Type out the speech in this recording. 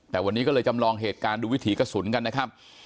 แต่วันนี้ก็เลยจำลองเหตุการณ์ดูวิถีกระสุนกันนะครับ